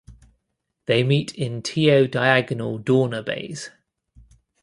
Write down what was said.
They meet in teo diagonal dorner bays.